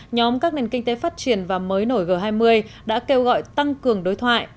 nhóm các nền kinh tế phát triển và mới nổi g hai mươi đã kêu gọi tăng cường đối thoại